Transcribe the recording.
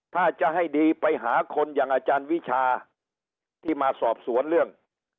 ถ้าจะให้ดีไปหาคนอย่างอาจารย์วิชาที่มาสอบสวนเรื่อง